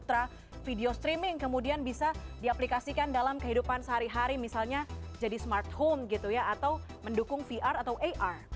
ada video streaming kemudian bisa diaplikasikan dalam kehidupan sehari hari misalnya jadi smart home gitu ya atau mendukung vr atau ar